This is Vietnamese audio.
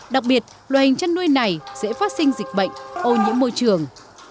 đặc biệt loài hình chăn nuôi này dễ phát sinh dịch bệnh ô nhiễm môi trường